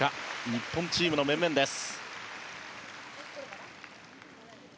日本チームの面々です。